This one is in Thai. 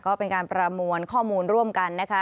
ก็เป็นการประมวลข้อมูลร่วมกันนะคะ